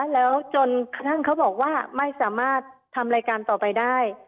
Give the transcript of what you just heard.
แล้วจนกระทั่งเขาบอกว่าไม่สามารถทำรายการต่อไปได้